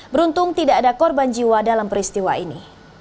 beruntung tidak ada korban jiwa dalam peristiwa ini